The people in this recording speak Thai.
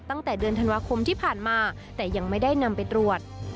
ตั้งแต่เดือนธันวาคมที่ผ่านมาแต่ยังไม่ได้นำไปตรวจ